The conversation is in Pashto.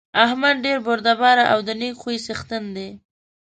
احمد ډېر بردباره او د نېک خوی څېښتن دی.